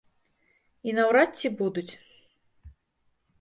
І наўрад ці будуць.